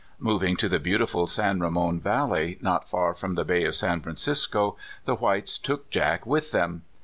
Moving to the beautiful San Ramon Valley, not far from the Bay of San Francisco, the Whites took Jack with them.